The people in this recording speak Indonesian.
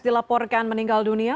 dilaporkan meninggal dunia